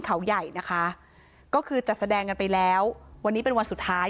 เขาใหญ่นะคะก็คือจัดแสดงกันไปแล้ววันนี้เป็นวันสุดท้าย